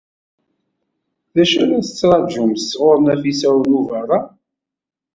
D acu ay la tettṛajumt sɣur Nafisa n Ubeṛṛan?